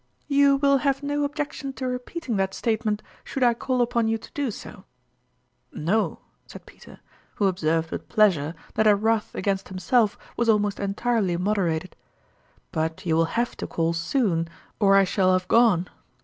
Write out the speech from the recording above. "You will have no objection to repeating that statement, should I call upon you to do so \"" No," said Peter, who observed with pleas ure that her wrath against himself was almost entirely moderated ;" but you will have to call soon, or I shall have gone.